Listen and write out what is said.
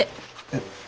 えっ。